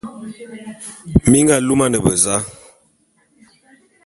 Mi nga lumane beza?